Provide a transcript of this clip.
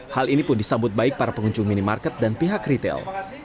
hal ini pun disambut baik para pengunjung minimarket dan pihak retail